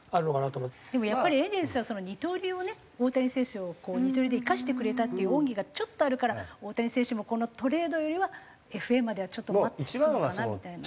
でもやっぱりエンゼルスは二刀流をね大谷選手をこう二刀流で生かしてくれたっていう恩義がちょっとあるから大谷選手もこのトレードよりはＦＡまではちょっと待つのかなみたいな。